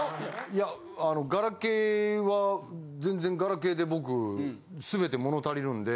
いやあのガラケーは全然ガラケーで僕すべて物足りるんで。